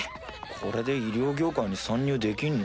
これで医療業界に参入できんの？